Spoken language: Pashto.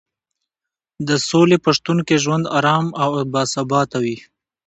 د سولې په شتون کې ژوند ارام او باثباته وي.